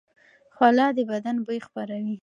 خوله د بدن بوی خپروي.